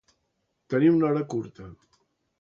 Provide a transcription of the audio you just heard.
Tenir una hora curta.